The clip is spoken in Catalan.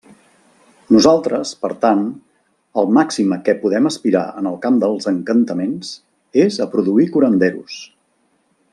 Nosaltres, per tant, el màxim a què podem aspirar en el camp dels encantaments és a produir curanderos.